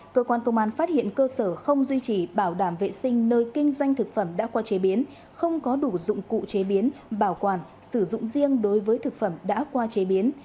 cơ quan công an phát hiện cơ sở không duy trì bảo đảm vệ sinh nơi kinh doanh thực phẩm đã qua chế biến không có đủ dụng cụ chế biến bảo quản sử dụng riêng đối với thực phẩm đã qua chế biến